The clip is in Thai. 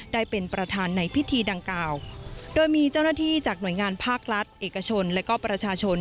ได้เป็นประธานในพิธีดังกล่าวโดยมีเจ้าหน้าที่จากหน่วยงานภาครัฐเอกชนและก็ประชาชน